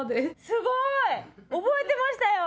すごい！覚えてましたよ。